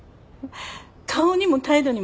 顔にも態度にも。